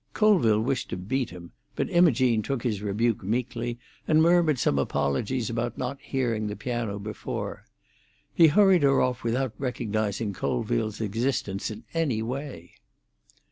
Colville wished to beat him, but Imogene took his rebuke meekly, and murmured some apologies about not hearing the piano before. He hurried her off without recognising Colville's existence in any way.